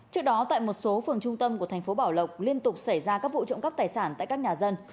trước đó tại một số phường trung tâm của tp bảo lộc liên tục xảy ra các vụ trộm cấp tài sản tại các nhà dân